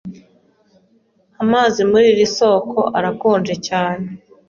Amazi muri iri soko arakonje cyane.